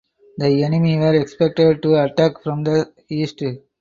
The enemy were expected to attack from the east.